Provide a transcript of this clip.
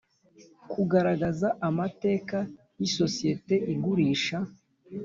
Kugaragaza amateka y isosiyete igurisha